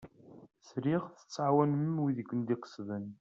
Sliɣ tettɛawanem wid i ken-id-iqesden?